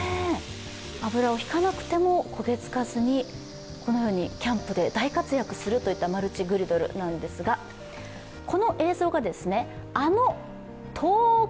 油をひかなくても焦げつかずにこのようにキャンプで大活躍するといったマルチグリドルなんですが、この映像が、あのトーーク！